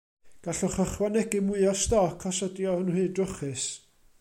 Gallwch ychwanegu mwy o stoc os ydy o'n rhy drwchus.